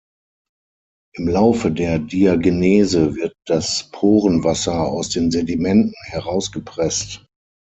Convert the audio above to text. Im Laufe der Diagenese wird das Porenwasser aus den Sedimenten heraus gepresst.